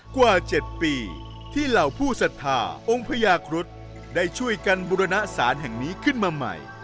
กว่า๗ปีที่เหล่าผู้ศรัทธาองค์พญาครุฑได้ช่วยกันบุรณสารแห่งนี้ขึ้นมาใหม่